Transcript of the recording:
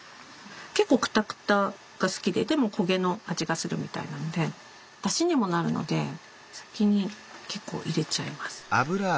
結構クタクタが好きででも焦げの味がするみたいなのでだしにもなるので先に結構入れちゃいます。